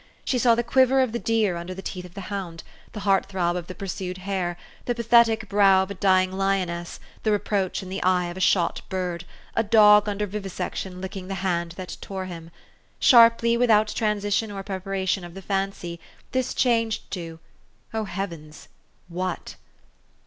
She saw the quiver of the deer under the teeth of the hound, the heart throb of the pursued hare, the pathetic brow of a d}dng lioness, the reproach in the eye of a shot bird, a dog under vivisection licking the hand that tore him. Sharply, without transition or preparation of the fancy, this changed to O heavens ! What